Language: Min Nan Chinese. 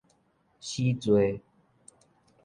死罪